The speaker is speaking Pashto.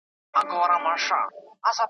الله تعالی هر څه د خپل منظم پلان له مخي کوي.